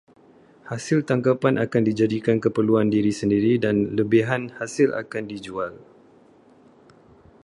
Hasil tangkapan akan dijadikan keperluan diri sendiri dan lebihan hasil akan dijual.